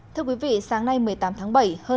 thưa quý vị sáng nay một mươi tám tháng bảy